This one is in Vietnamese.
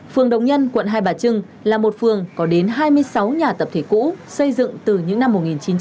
phường đồng nhân quận hai bà trưng là một phường có đến hai mươi sáu nhà tập thể cũ xây dựng từ những năm một nghìn chín trăm bảy mươi